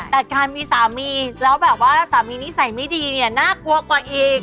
แต่การมีสามีแล้วแบบว่าสามีนิสัยไม่ดีเนี่ยน่ากลัวกว่าอีก